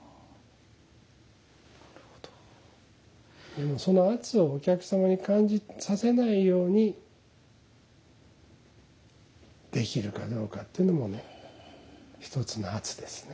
でもその圧をお客様に感じさせないようにできるかどうかっていうのもねひとつの圧ですね。